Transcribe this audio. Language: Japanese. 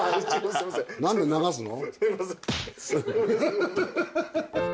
何で流すの？